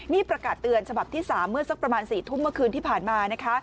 นี่ประกาศเตือนฉบับที่๓เมื่อสักประมาณ๔ทุ่มเมื่อคืนที่ผ่านมานะคะ